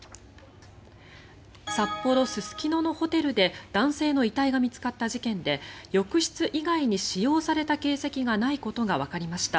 札幌市・すすきののホテルで男性の遺体が見つかった事件で浴室以外に使用された形跡がないことがわかりました。